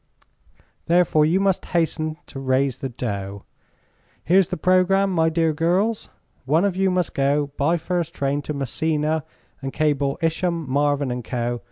Therefore you must hasten to raise the dough. Here's the programme, my dear girls: One of you must go by first train to Messina and cable Isham, Marvin & Co.